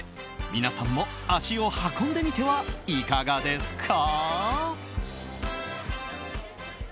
皆さんも足を運んでみてはいかがですか。